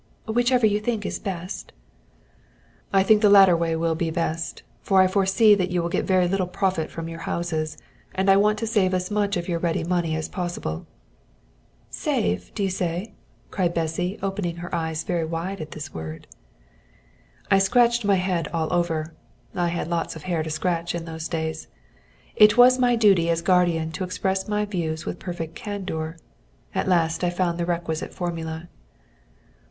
"Whichever you think best." "I think the latter way will be best, for I foresee that you will get very little profit from your houses, and I want to save as much of your ready money as possible." "Save, do you say?" cried Bessy, opening her eyes very wide at this word. I scratched my head all over (I had lots of hair to scratch in those days). It was my duty as guardian to express my views with perfect candour. At last I found the requisite formula.